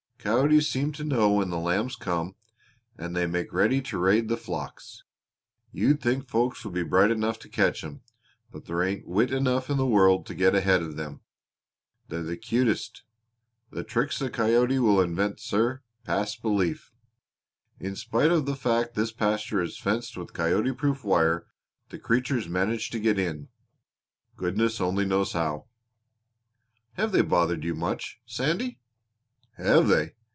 Coyotes seem to know when the lambs come and they make ready to raid the flocks. You'd think folks would be bright enough to catch 'em, but there ain't wit enough in the world to get ahead of them. They're the cutest! The tricks a coyote will invent, sir, pass belief. In spite of the fact this pasture is fenced with coyote proof wire the creatures manage to get in goodness only knows how." "Have they bothered you much, Sandy?" "Have they!